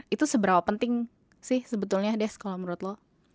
itu seberapa penting sih sebetulnya des kalau menurut lo